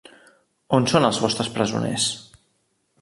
On són els vostres presoners?